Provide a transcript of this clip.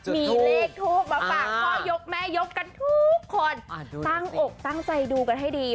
มีเลขทูปมาฝากพ่อยกแม่ยกกันทุกคนตั้งอกตั้งใจดูกันให้ดี